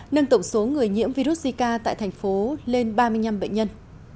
nâng tổng số người nhiễm virus zika tại thành phố lên ba mươi năm bệnh nhân